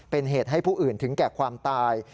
เป็นเหตุให้ผู้อื่นถึงแก่ความตาย